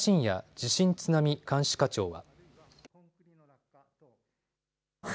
地震津波監視課長は。